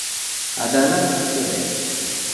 عدالت ښه دی.